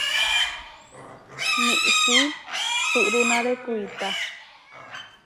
Miisí suʼrunáre kuitá.